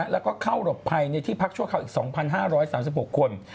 แล้วก็เข้าหลบภัยในที่พักชั่วคราวอีก๒๕๓๖คน